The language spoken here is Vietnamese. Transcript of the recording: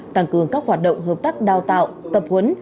tăng cường các hoạt động hợp tác đào tạo tập huấn